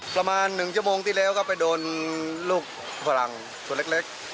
ประมาณ๑ชั่วโมงที่แล้วก็ไปโดนลูกฝรั่งตัวเล็ก